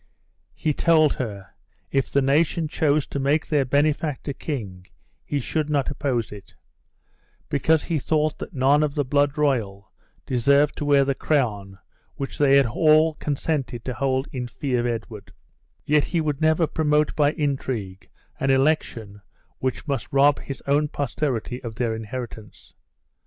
He told her, if the nation chose to make their benefactor king, he should not oppose it; because he thought that none of the blood royal deserved to wear the crown which they had all consented to hold in fee of Edward; yet he would never promote by intrigue an election which must rob his own posterity of their inheritance.